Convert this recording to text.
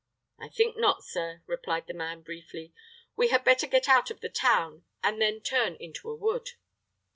"I think not, sir," replied the man, briefly. "We had better get out of the town, and then turn into a wood."